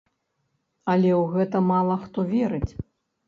Але ў гэта мала хто верыць.